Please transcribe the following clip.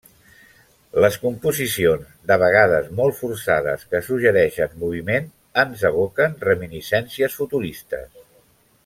Les composicions de vegades molt forçades que suggereixen moviment ens evoquen reminiscències Futuristes.